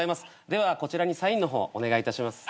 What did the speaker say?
ではこちらにサインの方をお願いいたします。